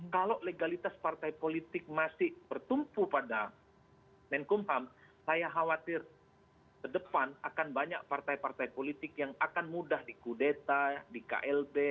kalau legalitas partai politik masih bertumpu pada menkumham saya khawatir ke depan akan banyak partai partai politik yang akan mudah di kudeta di klb